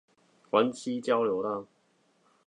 關西交流道